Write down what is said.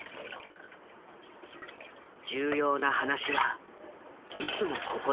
重要な話はいつもここだった。